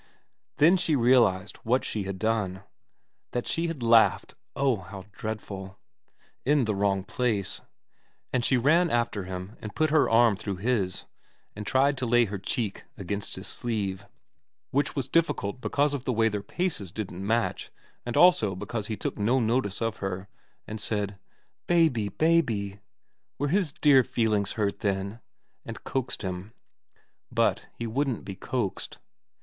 Then she realised what she had done, that she had laughed oh, how dreadful ! in the wrong place, and she ran after him and put her arm through his, and tried to lay her cheek against his sleeve, which was difficult because of the way their paces didn't match and also because he took no notice of her, and said, ' Baby baby were his dear feelings hurt, then ?' and coaxed him. But he wouldn't be coaxed.